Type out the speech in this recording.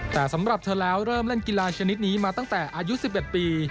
แต่สำหรับเธอแล้วเริ่มเล่นกีฬาชนิดนี้มาตั้งแต่อายุ๑๑ปี